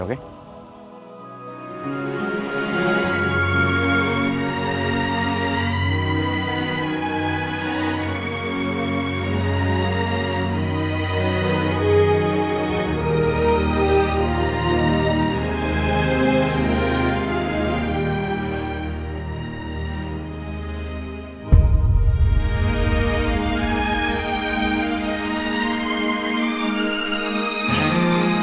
susah banget untuk ngilang